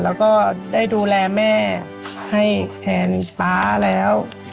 แล้วก็ได้ดูแลแม่ให้แทนป๊าแล้ว